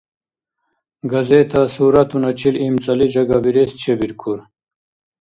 Газета суратуначил имцӀали жагабирес чебиркур.